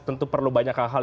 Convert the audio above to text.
tentu perlu banyak hal hal